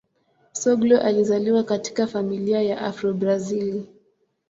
Soglo alizaliwa katika familia ya Afro-Brazil.